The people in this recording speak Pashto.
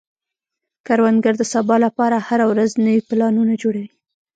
کروندګر د سبا لپاره هره ورځ نوي پلانونه جوړوي